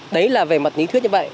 đấy là về mặt lý thuyết như vậy